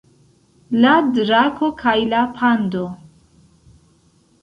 La drako kaj la pando